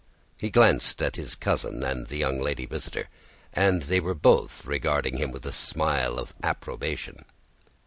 He glanced at his cousin and the young lady visitor; and they were both regarding him with a smile of approbation.